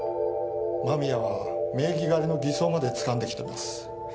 間宮は名義借りの偽装までつかんできてます。